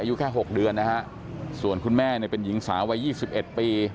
อายุแค่หกเดือนนะฮะส่วนคุณแม่เนี้ยเป็นหญิงสาวัยยี่สิบเอ็ดปี